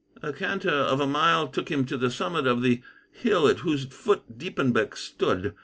A canter of a mile took him to the summit of the hill at whose foot Diepenbeck stood.